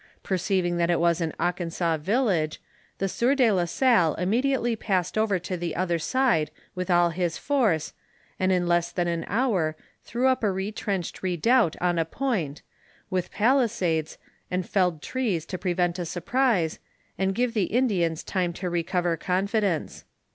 Perceiving that it was an Akansa village, the sieur de la Salle immediately passed over to the other side with all his force, and in less than an hour threw up a retrenched redoubt on a point, with pali sades, and felled trees to prevent a surprise, and give the In dians time to recover confidence.